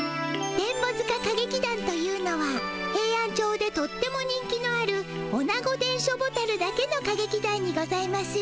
電ボ塚歌劇団というのはヘイアンチョウでとっても人気のあるオナゴ電書ボタルだけの歌劇団にございまする。